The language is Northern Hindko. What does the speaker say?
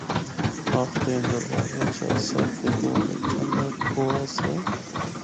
آخدے ہن دروازہ چاہ سرد دے کول ہک ٹھنڈا کھو آسا۔